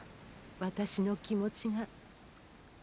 私の気持ちが！